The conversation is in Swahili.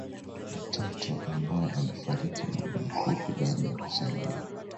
Mtoto ambae alifariki muda mfupi baada ya kuzaliwa